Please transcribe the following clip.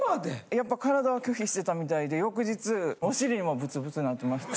やっぱ体は拒否してたみたいで翌日お尻もブツブツなってました。